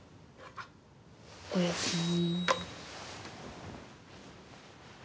おやすみ。